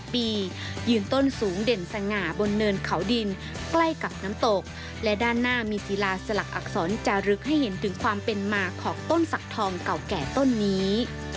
ยืนต้นสูงเด่นสง่าบนเนินเขาดินใกล้กับน้ำตกและด้านหน้ามีศิลาสลักอักษรจะลึกให้เห็นถึงความเป็นมาของต้นสักทองเก่าแก่ต้นนี้